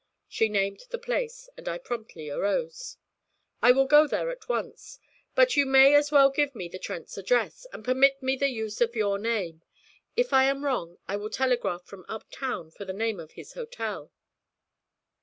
She named the place, and I promptly arose. 'I will go there at once; but you may as well give me the Trents' address, and permit me the use of your name. If I am wrong I will telegraph from up town for the name of his hotel.'